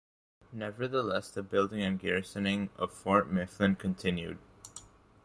Nevertheless, the building and garrisoning of Fort Mifflin continued.